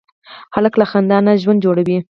هلک له خندا نه ژوند جوړوي.